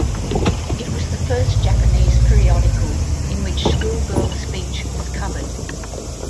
It was the first Japanese periodical in which schoolgirl speech was covered.